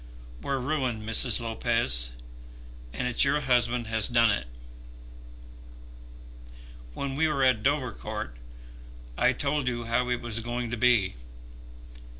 We're ruined, Mrs. Lopez, and it's your husband has done it. When we were at Dovercourt, I told you how it was going to be.